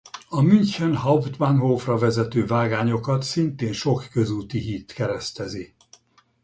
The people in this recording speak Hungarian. A München Hauptbahnhofra vezető vágányokat szintén sok közúti híd keresztezi.